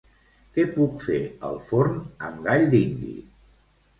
Què puc fer al forn amb gall dindi?